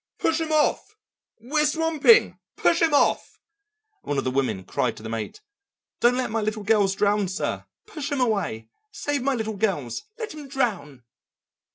"Push him off! We're swamping! Push him off!" And one of the women cried to the mate, "Don't let my little girls drown, sir! Push him away! Save my little girls! Let him drown!"